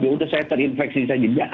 ya udah saya terinfeksi saja